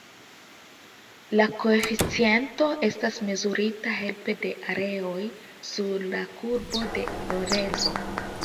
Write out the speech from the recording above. La koeficiento estas mezurita helpe de areoj sur la Kurbo de Lorenzo.